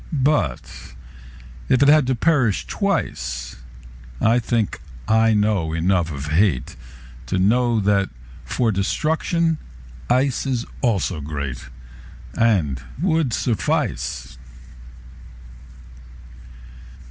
But if it had to perish twice,I think I know enough of hateTo know that for destruction iceIs also greatAnd would suffice.